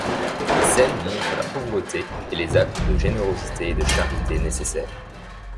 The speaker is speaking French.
Les scènes montrent la pauvreté et les actes de générosité et de charité nécessaires.